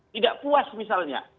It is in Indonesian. tidak puas misalnya